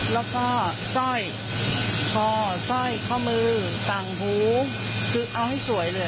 แล้วก็สร้อยคอสร้อยข้อมือต่างหูคือเอาให้สวยเลย